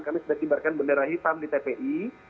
kami sudah kibarkan bendera hitam di tpi